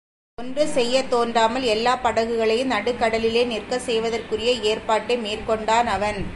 ஒன்றும் செய்யத் தோன்றாமல் எல்லாப் படகுகளையும் நடுக் கடலிலேயே நிற்கச் செய்வதற்குரிய ஏற்பாட்டை மேற்கொண்டான் அவன்.